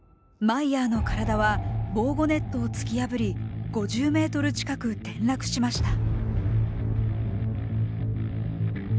マイヤーの体は防護ネットを突き破り５０ｍ近く転落しました。